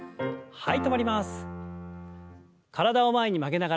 はい。